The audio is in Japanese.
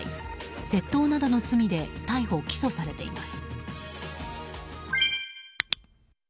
窃盗などの罪で逮捕・起訴されています。